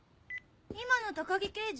今の高木刑事？